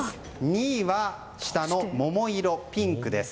２位は下の桃色、ピンクです。